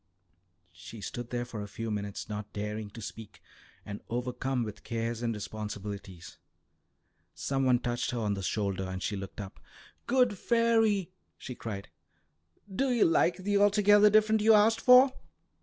She stood there for a few minutes, not daring to speak, and overcome with cares and responsibilities. Some one touched her on the shoulder, and she looked up. "Good fairy!" she cried. "Do you like the altogether different you asked for?"